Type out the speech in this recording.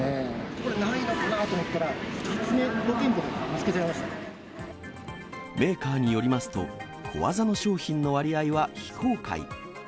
これ、ないのかなと思ったら、メーカーによりますと、小技の商品の割合は非公開。